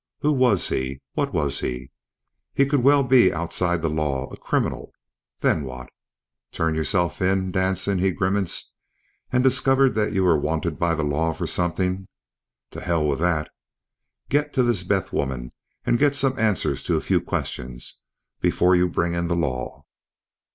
Who was he? What was he? He could well be outside the law, a criminal... Then what? Turn yourself in, Danson, he grimaced, and discover that you are wanted by the law for something? To hell with that. Get to this Beth woman and get some answers to a few questions before you bring in the law.